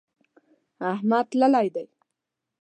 احمد تللی دی.